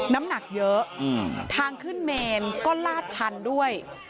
น้ำหนักเยอะทางขึ้นเมนก็ลาดชันด้วย